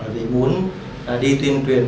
vì muốn đi tuyên truyền